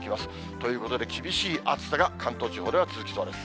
ということで厳しい暑さが関東地方では続きそうです。